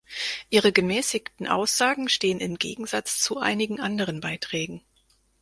Ihre gemäßigten Aussagen stehen im Gegensatz zu einigen anderen Beiträgen.